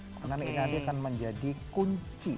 karena ini nanti akan menjadi kunci